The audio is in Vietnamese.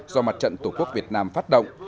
do mặt trận tổ quốc việt nam phát động